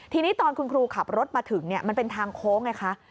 ทีนี้ตอนคุณครูขับรถมาถึงมันเป็นทางโค้งไงคะ